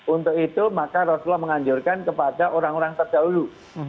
untuk itu maka rasulullah menganjurkan kepada orang orang terdahulu